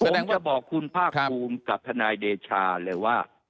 ผมจะบอกคุณภาคภูมิกับทนายเดชาเลยว่า